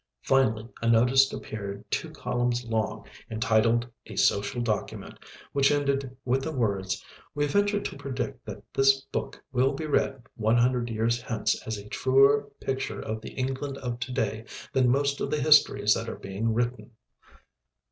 Finally, a notice appeared two columns long entitled "A Social Document" which ended with the words, "We venture to predict that this book will be read 100 years hence as a truer picture of the England of to day than most of the histories that are being written."